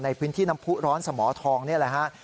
ในพื้นที่น้ำผู้ร้อนสมทองนี่แหละฮะ